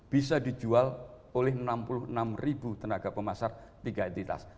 bisa dijual oleh enam puluh enam ribu tenaga pemasar tiga entitas